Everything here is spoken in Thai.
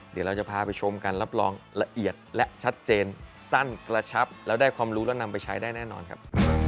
เดี๋ยวเราจะพาไปชมกันรับรองละเอียดและชัดเจนสั้นกระชับแล้วได้ความรู้และนำไปใช้ได้แน่นอนครับ